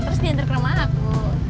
terus diantar ke rumah aku